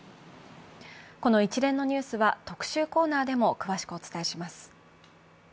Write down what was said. この一連のニュースは特集コーナーでも詳しくお伝えします。